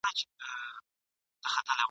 جنګیالي توره وهي.